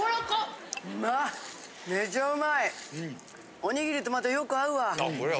おにぎりとまたよく合うわ。